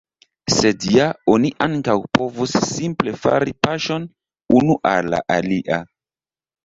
Sed ja oni ankaŭ povus simple fari paŝon unu al la alia.